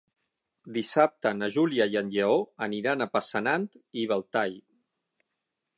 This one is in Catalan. Dissabte na Júlia i en Lleó aniran a Passanant i Belltall.